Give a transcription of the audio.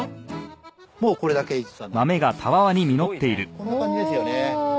こんな感じですよね。